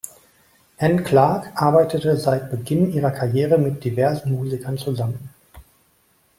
Anne Clark arbeitete seit Beginn ihrer Karriere mit diversen Musikern zusammen.